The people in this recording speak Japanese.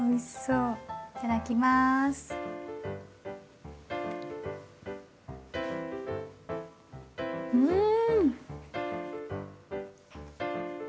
うん！